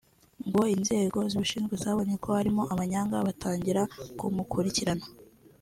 ngo inzego zibishinzwe zabonye ko harimo amanyanga batangira kumukurikirana